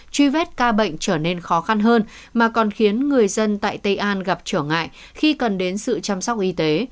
truy vết ca bệnh trở nên khó khăn hơn mà còn khiến người dân tại tây an gặp trở ngại khi cần đến sự chăm sóc y tế